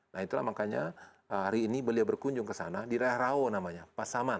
nah itulah makanya hari ini beliau berkunjung ke sana di daerah rawo namanya pasaman